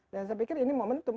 dan saya pikir ini momentum